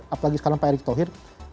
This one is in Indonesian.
apalagi sekarang pak erick thohir